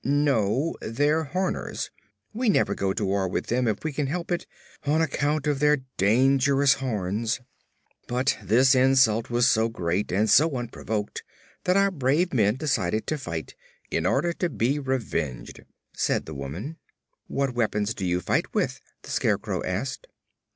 "No; they're Horners. We never go to war with them if we can help it, on account of their dangerous horns; but this insult was so great and so unprovoked that our brave men decided to fight, in order to be revenged," said the woman. "What weapons do you fight with?" the Scarecrow asked.